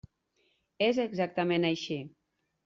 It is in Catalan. És exactament així.